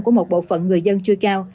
của một bộ phận người dân chưa cao